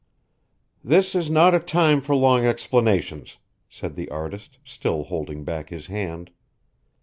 "This is not a time for long explanations," said the artist, still holding back his hand.